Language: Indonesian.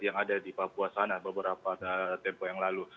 yang ada di papua sana beberapa tempo yang lalu